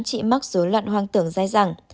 chị mắc dối loạn hoang tưởng dai rẳng